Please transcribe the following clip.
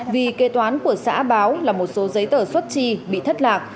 vì kế toán của xã báo là một số giấy tờ xuất chi bị thất lạc